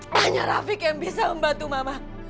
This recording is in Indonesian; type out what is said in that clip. banyak rafiq yang bisa membantu mama